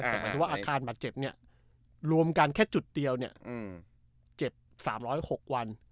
แต่หมายถึงว่าอาการแบบเจ็บเนี่ยรวมกันแค่จุดเดียวเนี่ยอืมเจ็บสามร้อยหกวัน